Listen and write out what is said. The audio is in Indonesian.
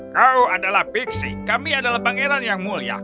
kau adalah pixi kami adalah pangeran yang mulia